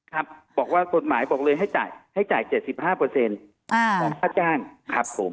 ครับบอกว่ากฎหมายบอกเลยให้จ่าย๗๕ของค่าจ้างครับผม